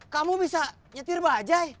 kamu bisa nyetir bajai